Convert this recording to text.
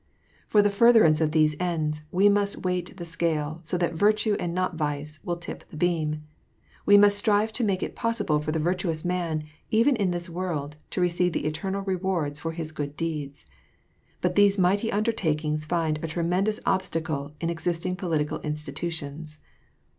"For the furtherance of these ends, we must weight the scale, so that virtue, and not vice, will tip the beam ; we must strive to make it possible for the virtuous man, even in this world, to receive the eternal rewards for his good deeds. But these mighty undertakings find a tremendous obstacle in exist ing political institutions.